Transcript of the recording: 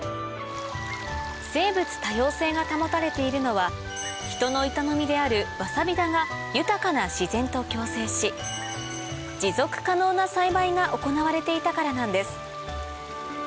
生物多様性が保たれているのは人の営みであるわさび田が豊かなが行われていたからなんです